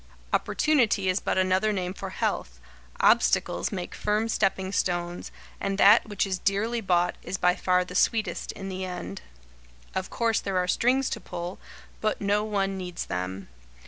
Opportunity is but another name for health, obstacles make firm stepping stones, and that which is dearly bought is by far the sweetest in the end. Of course there are "strings to pull," but no one needs them.